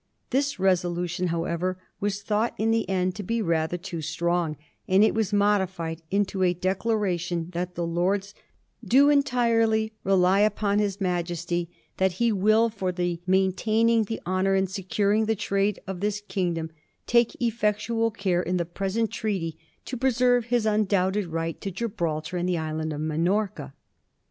This resolution, however, was thought in the end to be rather too strong, and it was modified into a declaration that the Lords ' do entirely rely upon his Majesty, that Digiti zed by Google 1729 GIBRALTAR. 389 he will, for the maintaming the honour and securing the trade of this kingdom, take effectual care in the present treaty to preserve his undoubted right to Gibraltar and the island of Minorca.'